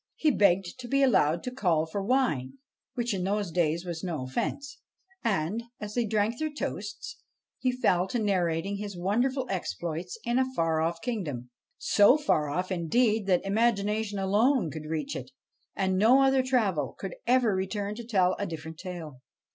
He begged to be allowed to call for wine, which in those days was no offence, and, as they drank their toasts, he fell to narrating his wonderful exploits in a far off kingdom so far off, indeed, that imagination alone could reach it, and no other traveller could ever return to tell a different tale.